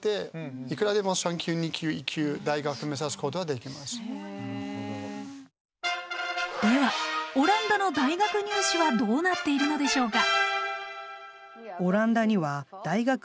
ではオランダの大学入試はどうなっているのでしょうか？